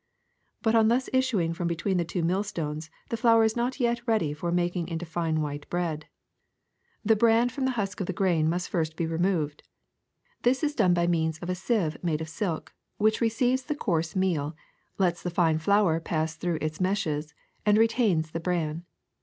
^' But on thus issuing from between the millstones the flour is not yet ready for making into fine white THE GRIST MILL 259 bread ; the bran from the husk of the grain must first be removed. This is done by means of a sieve made of silk, which receives the coarse meal, lets the fine flour pass through its meshes, and retains the bran.